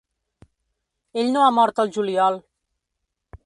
Ell no ha mort al juliol.